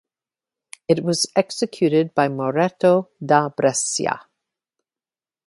It was executed by Moretto da Brescia.